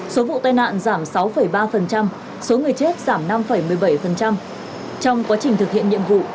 số vụ tai nạn giảm sáu ba số người chết giảm năm một mươi bảy trong quá trình thực hiện nhiệm vụ